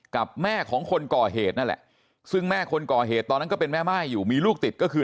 กับแม่ของคนก่อเหตุนั่นแหละซึ่งแม่คนก่อเหตุตอนนั้นก็เป็นแม่ม่ายอยู่มีลูกติดก็คือ